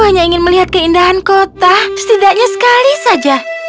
hanya ingin melihat keindahan kota setidaknya sekali saja